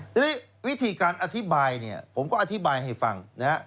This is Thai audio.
ทีนี้วิธีการอธิบายเนี่ยผมก็อธิบายให้ฟังนะฮะ